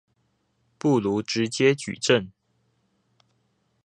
不如直接舉證